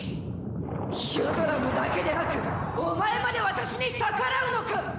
ヒュドラムだけでなくお前まで私に逆らうのか！？